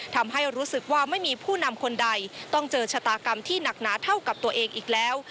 ทำให้รู้สึกว่าไม่มีผู้นำคนใดต้องเจอชะตากรรมที่หนักหนาเท่ากับตัวเองอีกแล้ว